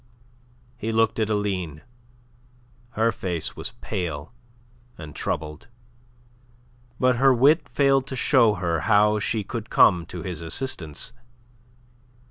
He looked at Aline. Her face was pale and troubled; but her wit failed to show her how she could come to his assistance.